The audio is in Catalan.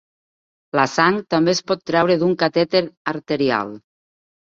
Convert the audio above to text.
La sang també es pot treure d'un catèter arterial.